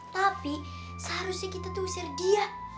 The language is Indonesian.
tapi seharusnya kita tuh usir dia